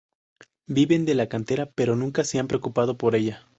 Viven de la cantera, pero nunca se han preocupado por ella.